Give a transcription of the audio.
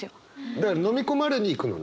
だから飲み込まれに行くのね。